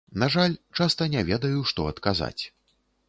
На жаль, часта не ведаю, што адказаць.